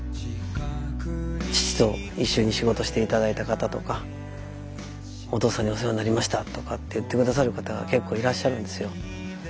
父と一緒に仕事して頂いた方とか「お父さんにお世話になりました」とかって言って下さる方が結構いらっしゃるんですよ。